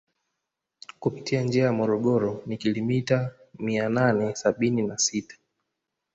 Kupitia njia Morogoro ni kilimita Mia nane Sabini na Sita